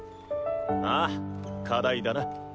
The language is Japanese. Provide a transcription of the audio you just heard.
ああ課題だな。